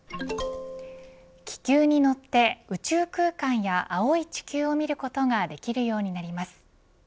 気球に乗って宇宙空間や青い地球を見ることができるようになります。